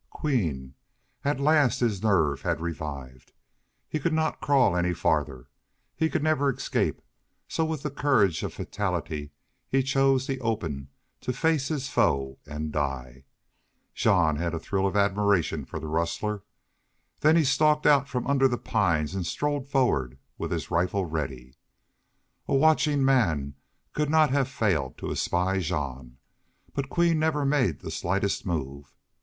Queen! At the last his nerve had revived. He could not crawl any farther, he could never escape, so with the courage of fatality he chose the open, to face his foe and die. Jean had a thrill of admiration for the rustler. Then he stalked out from under the pines and strode forward with his rifle ready. A watching man could not have failed to espy Jean. But Queen never made the slightest move.